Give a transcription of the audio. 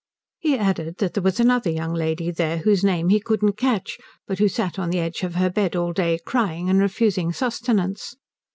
He added that there was another young lady there whose name he couldn't catch, but who sat on the edge of her bed all day crying and refusing sustenance.